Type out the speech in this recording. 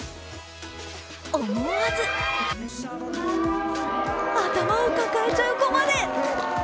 思わず頭を抱えちゃう子まで。